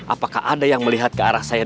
apakah ada yang melihat ke arah saya